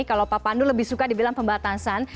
kalau pak pandu lebih suka dibilang pembatasan